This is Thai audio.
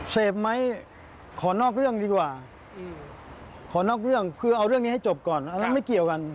เสพไหมขอนอกเรื่องดีกว่าคือเอาเรื่องนี้ให้จบก่อนมันไม่เกี่ยวกัน